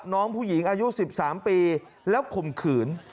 น้องผู้หญิงอายุ๑๓ปีแล้วข่มขืน